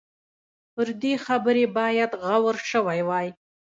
پر دې خبرې باید غور شوی وای.